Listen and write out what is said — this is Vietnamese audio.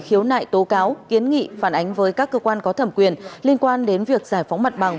khiếu nại tố cáo kiến nghị phản ánh với các cơ quan có thẩm quyền liên quan đến việc giải phóng mặt bằng